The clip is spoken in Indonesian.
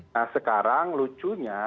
nah sekarang lucunya